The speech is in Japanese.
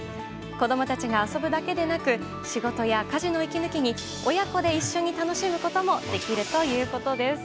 子供たちが遊ぶだけでなく仕事や家事の息抜きに親子で一緒に楽しむこともできるということです。